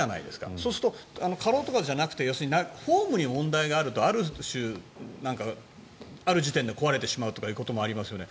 そうすると過労とかじゃなくて要するにフォームの問題があるとある種、ある時点で壊れてしまうこともありますよね